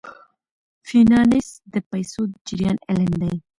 فینانس د پیسو د جریان علم دی.